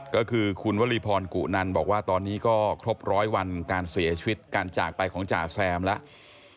ก็คือคุณวลีพรกุนันบอกว่าตอนนี้ก็ครบร้อยวันการเสียชีวิตการจากไปของจ่าแซมแล้ว